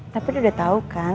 tapi udah tau kan